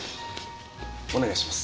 お願いします。